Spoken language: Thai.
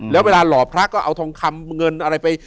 แล้วเวลาหล่อพระก็เอาทองคำเงินอะไรไป